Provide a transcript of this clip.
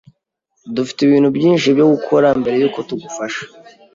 Dufite ibintu byinshi byo gukora mbere yuko tugufasha.